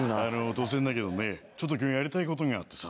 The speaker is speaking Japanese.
突然だけどねちょっと今日やりたい事があってさ。